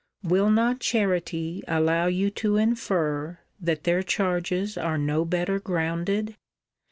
Will not charity allow you to infer, that their charges are no better grounded?